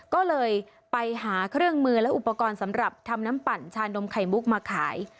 ก็เลยไปหาเครื่องมือและอุปกรณ์สำหรับทำน้ำปั่นชานมไข่มุกมาขาย